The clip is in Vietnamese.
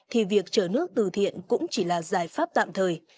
thì việc chở nước từ thiện cũng chỉ là giải pháp tạm thời